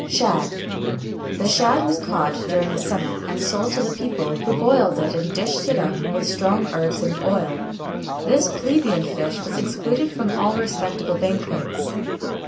SHAD. The shad was caught during the summer, and sold to the people,[XXI 180] who boiled it and dished it up with strong herbs and oil. This plebeian fish was excluded from all respectable banquets.